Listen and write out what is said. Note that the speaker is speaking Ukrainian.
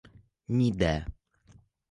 — Ніде.